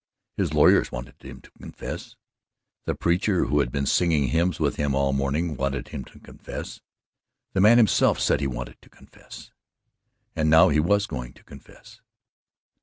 His lawyers wanted him to confess; the preacher who had been singing hymns with him all morning wanted him to confess; the man himself said he wanted to confess; and now he was going to confess.